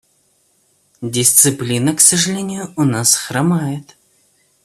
Дисциплина, к сожалению, у нас хромает.